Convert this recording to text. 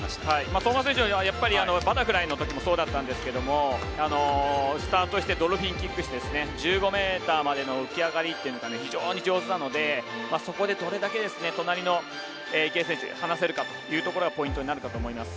相馬選手はバタフライの時もそうでしたがスタートしてドルフィンキックして１５ｍまでの浮き上がりが非常に上手なのでそこでどれだけ隣の池江選手を離せるかがポイントになるかと思います。